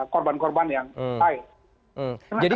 korban korban yang lain